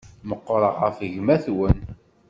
Meqqṛeɣ ɣef gma-twen.